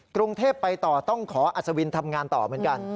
กรุงเทพไปต่อต้องขออัศวินทำงานต่อเหมือนกัน